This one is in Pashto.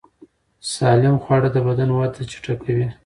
سالم خواړه د بدن وده چټکوي.